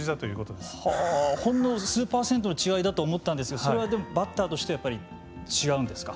はあほんの数％の違いだと思ったんですがそれはバッターとしてやっぱり違うんですか。